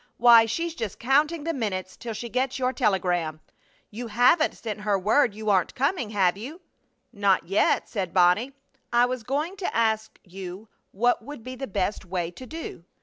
Why, she's just counting the minutes till she gets your telegram! You haven't sent her word you aren't coming, have you?" "Not yet," said Bonnie. "I was going to ask you what would be the best way to do.